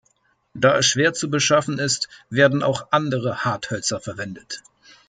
Da es schwer zu beschaffen ist, werden auch andere Harthölzer verwendet.